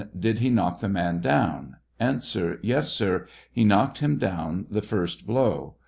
Did he knock the man down? A. Yes, sir ; he knocked him down the first blow.